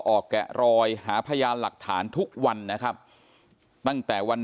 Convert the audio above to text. แกะรอยหาพยานหลักฐานทุกวันนะครับตั้งแต่วัน